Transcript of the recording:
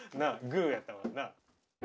グーやったもんな。